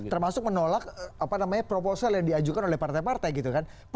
termasuk menolak proposal yang diajukan oleh partai partai gitu kan